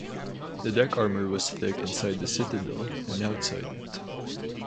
The deck armor was thick inside the citadel and outside it.